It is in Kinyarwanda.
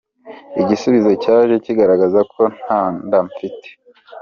Igisubizo cyaje kigaragaza ko nta nda mfite.